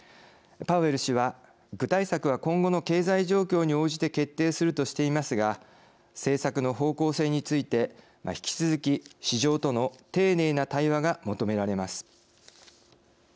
パウエル氏は具体策は今後の経済状況に応じて決定するとしていますが政策の方向性について引き続き、市場との丁寧な対話が求められます。